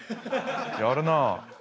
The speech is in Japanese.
やるなあ。